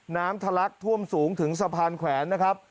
ทะลักท่วมสูงถึงสะพานแขวนนะครับ